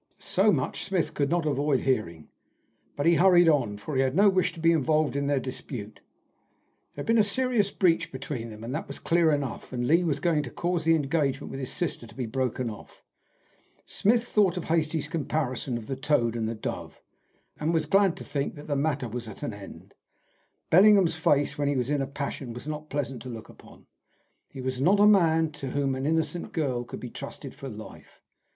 So much Smith could not avoid hearing, but he hurried on, for he had no wish to be involved in their dispute. There had been a serious breach between them, that was clear enough, and Lee was going to cause the engagement with his sister to be broken off. Smith thought of Hastie's comparison of the toad and the dove, and was glad to think that the matter was at an end. Bellingham's face when he was in a passion was not pleasant to look upon. He was not a man to whom an innocent girl could be trusted for life.